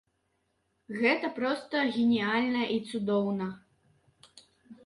Гэта проста геніяльна і цудоўна!